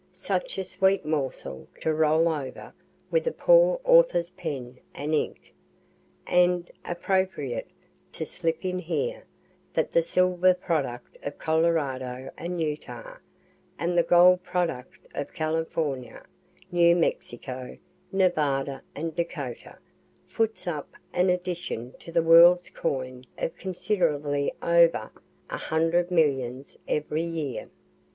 (Such a sweet morsel to roll over with a poor author's pen and ink and appropriate to slip in here that the silver product of Colorado and Utah, with the gold product of California, New Mexico, Nevada and Dakota, foots up an addition to the world's coin of considerably over a hundred millions every year.)